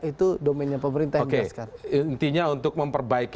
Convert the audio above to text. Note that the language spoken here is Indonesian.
itu domennya pemerintah yang dihasilkan